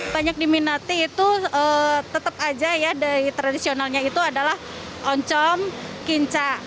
banyak yang diminati dari tradisionalnya adalah oncom kinca